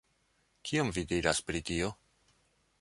Kion vi diras pri tio?